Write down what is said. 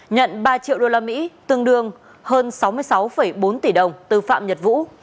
nhận ba triệu usd tương đương hơn sáu mươi sáu bốn tỷ đồng từ phạm nhật vũ